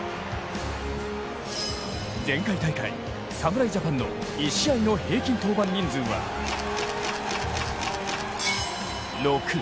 前回大会、侍ジャパンの１試合の平均登板人数は６。